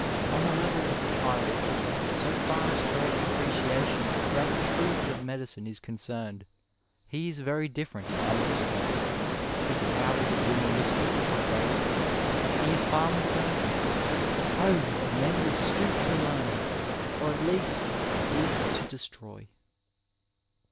On a level with a child, so isLT as correct appreciation of the great truths of medicine is concerned, he is very different in other respects, his powers of doing mischief are greater ; he is far more dan gerous. Oh ! that men would stoop to learn, or at least cease to destroy."